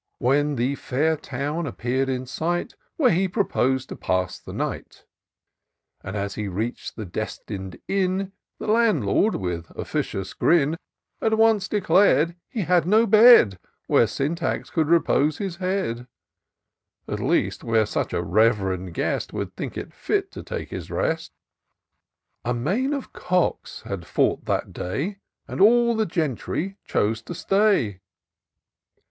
When the fair town appear'd in sight. Where he propos'd to pass the night ; But as he reach'd the destin'd inn. The landlord, with officious grin. IN SEARCH OF THE PICTURESQUE. 169 At once declar'd he had no bed Where Syntax could repose his head; At least, where Buch a rev'rend guest Would think it fit to take his rest : A main of cocks had fought that day, And all the gentry chose to stay.